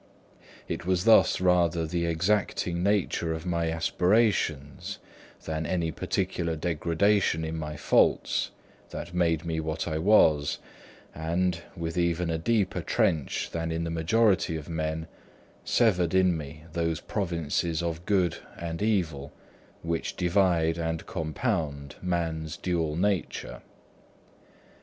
It was thus rather the exacting nature of my aspirations than any particular degradation in my faults, that made me what I was, and, with even a deeper trench than in the majority of men, severed in me those provinces of good and ill which divide and compound man's dual nature.